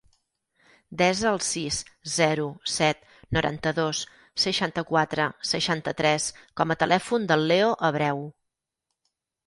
Desa el sis, zero, set, noranta-dos, seixanta-quatre, seixanta-tres com a telèfon del Leo Abreu.